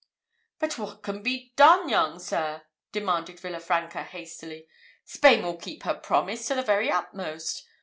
"But what can be done, young sir?" demanded Villa Franca, hastily: "Spain will keep her promise to the very utmost.